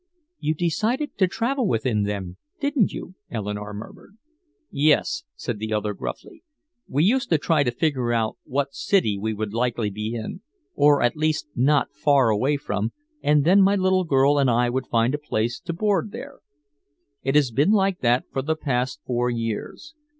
"You decided to travel with him then didn't you?" Eleanore murmured. "Yes," said the other gruffly. "We used to try to figure out what city he would likely be in, or at least not far away from and then my little girl and I would find a place to board there. It has been like that for the past four years.